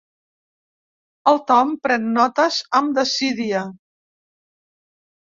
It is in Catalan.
El Tom pren notes amb desídia.